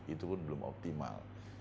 itu pun belum optimal